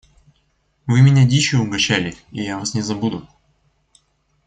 Вы меня дичью угощали, и я вас не забуду.